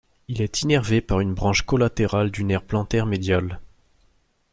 Il est innervé par une branche collatérale du nerf plantaire médial.